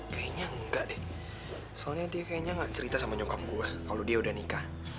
kayaknya enggak deh soalnya dia kayaknya gak cerita sama nyokap gue kalau dia udah nikah